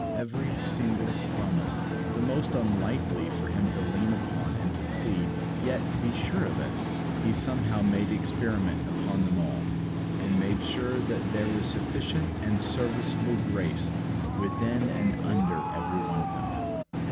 Every single promise, the most unlikely for Him to lean upon and to plead, yet, be sure of it, He somehow made experiment upon them all, and made sure that there was sufficient and serviceable grace within and under every one of them.